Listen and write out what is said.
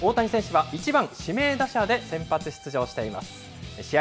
大谷選手は１番指名打者で先発出場しています。